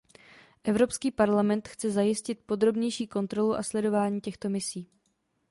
Evropský parlament chce zajistit podrobnější kontrolu a sledování těchto misí.